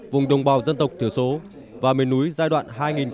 vùng đồng bào dân tộc thiểu số và miền núi giai đoạn hai nghìn một mươi sáu hai nghìn ba mươi